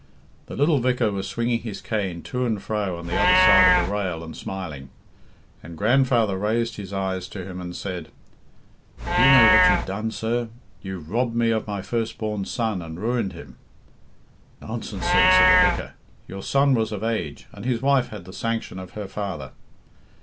"The little vicar was swinging his cane to and fro on the other side of the rail and smiling, and grandfather raised his eyes to him and said, 'Do you know what you've done, sir? You've robbed me of my first born son and ruined him.' 'Nonsense, sir,' said the vicar. 'Your son was of age, and his wife had the sanction of her father.